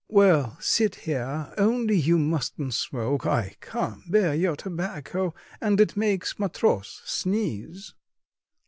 Well, sit there; only you mustn't smoke; I can't bear your tobacco, and it makes Matross sneeze."